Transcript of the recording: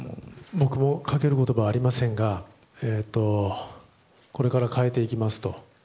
僕もかける言葉はありませんがこれから変えていきますと。